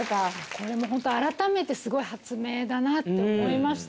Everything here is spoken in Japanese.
これもう本当に改めてすごい発明だなって思いました。